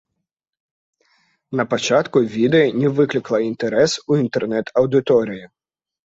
Напачатку відэа не выклікала інтарэс у інтэрнэт-аўдыторыі.